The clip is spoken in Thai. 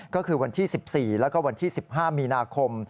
ก็คือวันที่๑๔แล้วก็วันที่๑๕มีนาคม